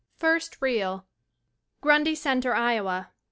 FIRST REEL Grundy Center, la.